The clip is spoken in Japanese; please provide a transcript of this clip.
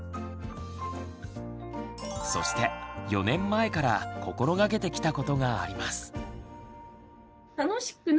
そして４年前から心がけてきたことがあります。